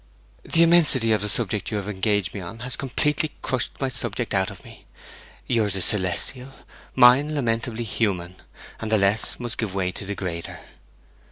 'The immensity of the subject you have engaged me on has completely crushed my subject out of me! Yours is celestial; mine lamentably human! And the less must give way to the greater.'